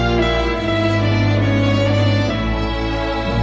kita harus berpikir